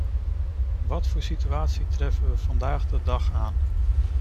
Wat voor situatie treffen we vandaag de dag aan?